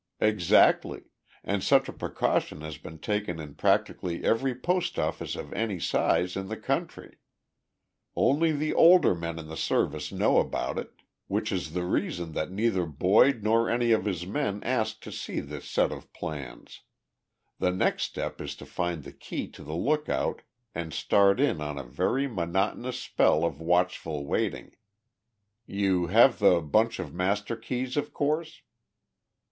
"Exactly and such a precaution has been taken in practically every post office of any size in the country. Only the older men in the Service know about it, which is the reason that neither Boyd nor any of his men asked to see this set of plans. The next step is to find the key to the lookout and start in on a very monotonous spell of watchful waiting. You have the bunch of master keys, of course?"